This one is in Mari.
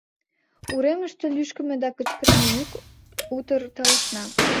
Уремыште лӱшкымӧ да кычкырыме йӱк утыр талышна.